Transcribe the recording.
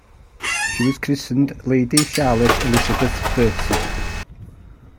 She was christened Lady Charlotte Elizabeth Bertie.